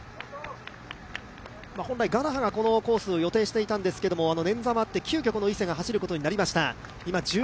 本来、我那覇がこのコースを予定していたんですけれども、ねんざもあって急きょこの伊勢が走ることになりました。